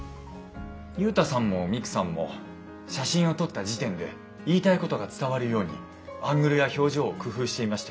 ユウタさんもミクさんも写真を撮った時点で言いたいことが伝わるようにアングルや表情を工夫していましたよね。